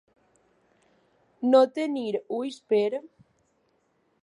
No tenir ulls per.